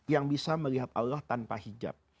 yang bisa melihat allah tanpa hijab